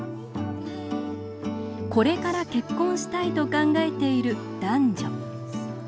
これから結婚したいと考えている男女。